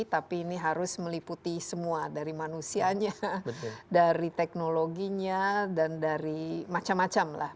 tapi ini harus meliputi semua dari manusianya dari teknologinya dan dari macam macam lah